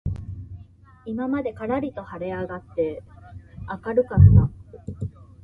今までからりと晴はれ上あがって明あかるかった